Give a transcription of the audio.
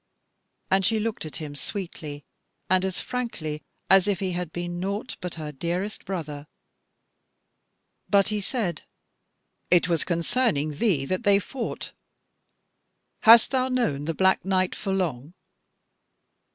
And she looked at him sweetly, and as frankly as if he had been naught but her dearest brother. But he said: "It was concerning thee that they fought: hast thou known the Black Knight for long?"